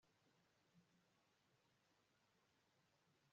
ntuzemera aho karekezi na mariya bagiye mu kwezi kwa buki